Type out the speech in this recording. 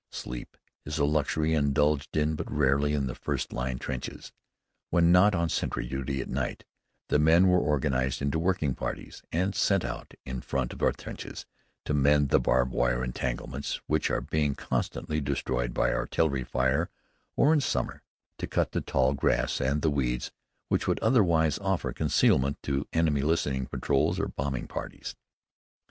Sleep is a luxury indulged in but rarely in the first line trenches. When not on sentry duty at night, the men were organized into working parties, and sent out in front of the trenches to mend the barbed wire entanglements which are being constantly destroyed by artillery fire; or, in summer, to cut the tall grass and the weeds which would otherwise offer concealment to enemy listening patrols or bombing parties.